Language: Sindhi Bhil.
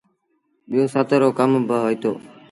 ٻيٚو سهت رو ڪم با هوئيٚتو۔